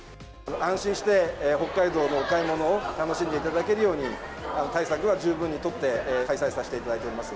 安心して北海道のお買い物を楽しんでいただけるように、対策は十分に取って開催させていただいております。